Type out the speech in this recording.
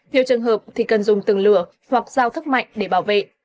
nhiều trường hợp thì cần dùng từng lửa hoặc giao thức mạnh để bảo vệ